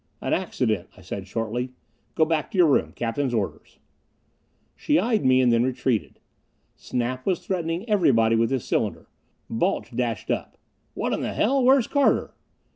"An accident," I said shortly. "Go back to your room. Captain's orders." She eyed me and then retreated. Snap was threatening everybody with his cylinder. Balch dashed up. "What in the hell? Where's Carter?"